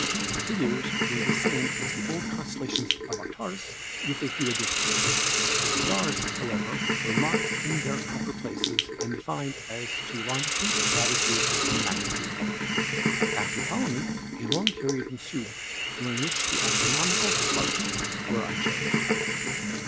The figures were the same as the old constellations of Aratus with a few additions. The stars, however, were marked in their proper places and defined as to latitude, longitude and magnitude. "After Ptolemy a long period ensued during which the astronomical charts were unchanged.